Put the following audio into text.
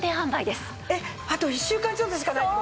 えっあと１週間ちょっとしかないって事？